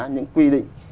những quy định